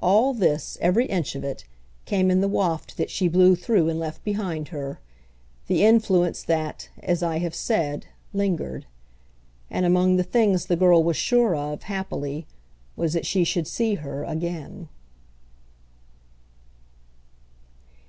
All this, every inch of it, came in the waft that she blew through and left behind her, the influence that, as I have said, lingered. And among the things the girl was sure of, happily, was that she should see her again.